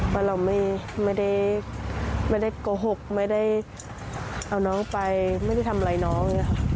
ว่าเราไม่ได้โกหกไม่ได้เอาน้องไปไม่ได้ทำอะไรน้อง